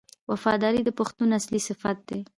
وفاداري د پښتون اصلي صفت دی.